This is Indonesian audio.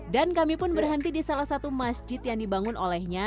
dan kami pun berhenti di salah satu masjid yang dibangun olehnya